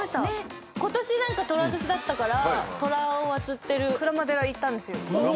今年寅年だったから寅を祭ってる鞍馬寺行ったんですよ。